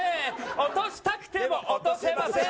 落としたくても落とせません。